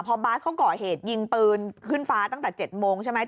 พอบาสเขาก่อเหตุยิงปืนขึ้นฟ้าตั้งแต่๗โมงใช่ไหม